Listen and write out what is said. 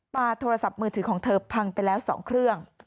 โทรศัพท์มือถือของเธอพังไปแล้ว๒เครื่อง